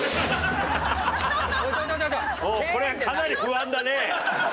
これかなり不安だね。